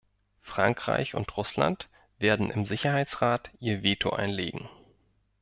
Frankreich und Russland werden im Sicherheitsrat ihr Veto einlegen.